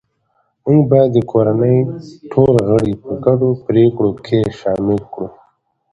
موږ باید د کورنۍ ټول غړي په ګډو پریکړو شامل کړو